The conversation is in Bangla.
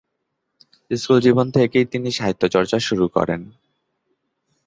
স্কুল জীবন থেকেই তিনি সাহিত্যচর্চা শুরু করেন।